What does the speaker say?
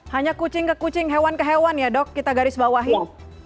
hanya kucing ke kucing hewan ke hewan ya dok kita garis bawahi